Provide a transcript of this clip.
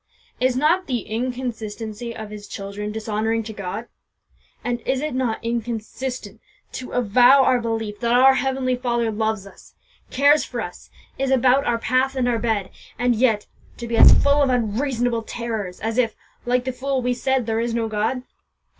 Is not the inconsistency of His children dishonouring to God? And is it not inconsistent to avow our belief that our Heavenly Father loves us cares for us is about our path and our bed, and yet to be as full of unreasonable terrors as if, like the fool, we said 'there is no God'?